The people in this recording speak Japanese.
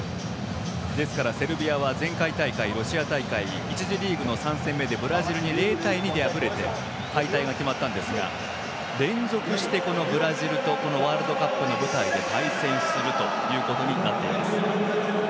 ですから、セルビアは前回大会、ロシア大会１次リーグの３戦目にブラジルに０対２で敗れて敗退が決まったんですが連続してブラジルとワールドカップの舞台で対戦するということになっています。